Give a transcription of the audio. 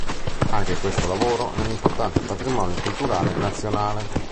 Anche questo lavoro è un importante patrimonio culturale nazionale.